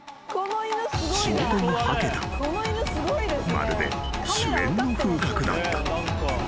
［まるで主演の風格だった］